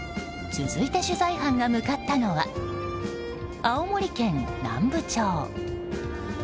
続いて取材班が向かったのは青森県南部町。